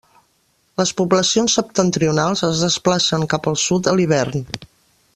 Les poblacions septentrionals es desplacen cap al sud a l'hivern.